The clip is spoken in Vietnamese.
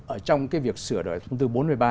ở trong cái việc sửa đổi thông tư bốn mươi ba